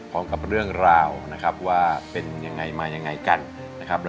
พร้อมกับเรื่องราวนะครับว่าเป็นยังไงมายังไงกันนะครับ